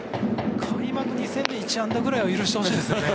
開幕２戦で１安打ぐらいは許してほしいですね。